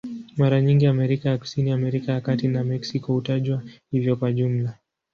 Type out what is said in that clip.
Mara nyingi Amerika ya Kusini, Amerika ya Kati na Meksiko hutajwa hivyo kwa jumla.